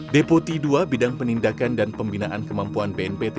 deputi ii bidang penindakan dan pembinaan kemampuan bnpt